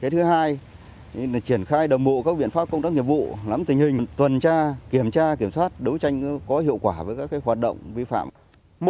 thứ hai triển khai đồng bộ các biện pháp công tác nghiệp vụ nắm tình hình tuần tra kiểm tra kiểm soát đấu tranh có hiệu quả với các hoạt động vi phạm